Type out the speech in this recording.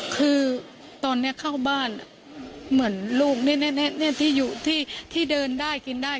คือตอนนี้เข้าบ้านเหมือนลูกที่อยู่ที่เดินได้กินได้